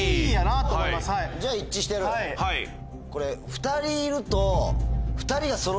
これ２人いると。